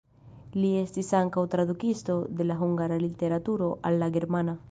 Li estis ankaŭ tradukisto de la hungara literaturo al la germana.